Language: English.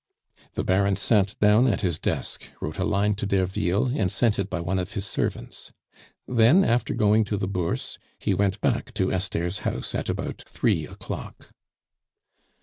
The Baron at down at his desk, wrote a line to Derville, and sent it by one of his servants. Then, after going to the Bourse, he went back to Esther's house at about three o'clock.